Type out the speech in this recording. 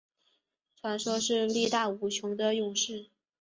传说是力大无穷的勇士。